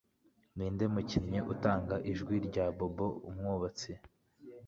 Ninde Mukinnyi Utanga Ijwi rya Bob Umwubatsi